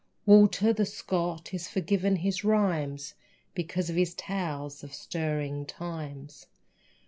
Walter, the Scot, is forgiven his rimes Because of his tales of stirring times.